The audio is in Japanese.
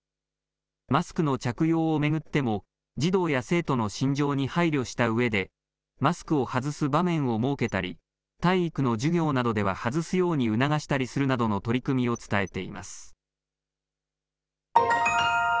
マスクの着用を巡っても児童や生徒の心情に配慮したうえでマスクを外す場面を設けたり体育の授業などでは外すように促したりするなどの取り組みを伝えています。